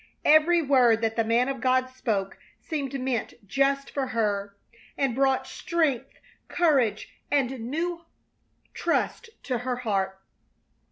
Every word that the man of God spoke seemed meant just for her, and brought strength, courage, and new trust to her heart.